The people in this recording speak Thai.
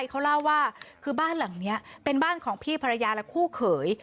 เขาเล่าว่าคือบ้านหลังนี้เป็นบ้านของพี่ภรรยาและคู่เขย